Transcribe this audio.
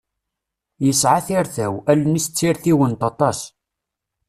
Yesɛa tirtaw, allen-is ssirtiwent aṭas.